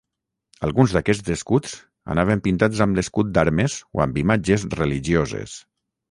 Alguns d'aquests escuts anaven pintats amb l'Escut d'armes o amb imatges religioses.